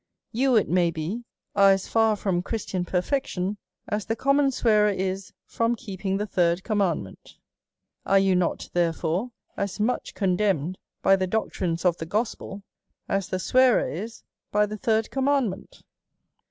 You, it may be, are as far from Christian perfection as the common swearer is from keeping the third com mandment ; are you not, therefore, as much condemn ed by the doctrines of the gospel as the swearer is by the third commandment